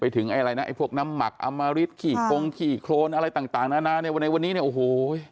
ถึงไอ้อะไรนะไอ้พวกน้ำหมักอมริตขี่โครงขี้โครนอะไรต่างนานาเนี่ยในวันนี้เนี่ยโอ้โห